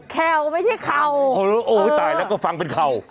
เข่าไม่ใช่เข่าโอ้ยตายแล้วก็ฟังเป็นเข่า